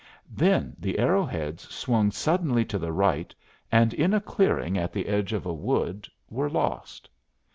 Then, the arrow heads swung suddenly to the right, and in a clearing at the edge of a wood, were lost.